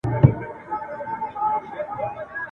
انسان په طبیعت کي آزاد خلق سوی دی ..